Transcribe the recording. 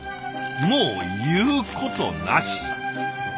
もう言うことなし！